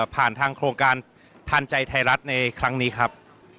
ผ่านทางโครงการทานใจไทยรัฐในครั้งนี้ครับ